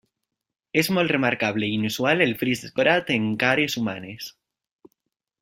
És molt remarcable i inusual el fris decorat amb cares humanes.